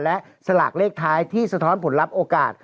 และสลากเลขท้ายที่สะท้อนผลลัพธ์โอกาส